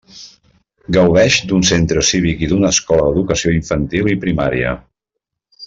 Gaudeix d'un centre cívic i d'una escola d'educació infantil i primària.